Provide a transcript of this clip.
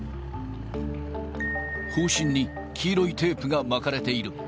砲身に黄色いテープが巻かれている。